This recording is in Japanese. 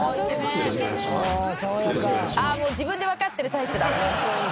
ああもう自分でわかってるタイプだ。